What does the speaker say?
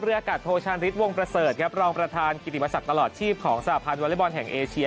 อากาศโทชานฤทธิวงประเสริฐครับรองประธานกิติปศักดิ์ตลอดชีพของสหพันธ์วอเล็กบอลแห่งเอเชีย